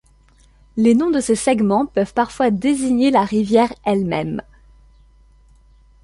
Les noms de ces segments peuvent parfois désigner la rivière elle-même.